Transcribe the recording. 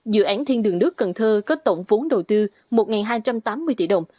dự án thiên đường nước cần thơ có tổng vốn đầu tư một hai trăm tám mươi tỷ đồng